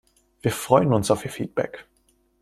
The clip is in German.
Wir freuen uns auf Ihr Feedback!